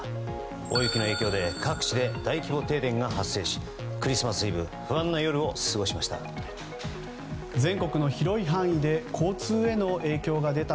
大雪の影響で各地で大規模停電が発生しクリスマスイブ不安な夜を過ごしました。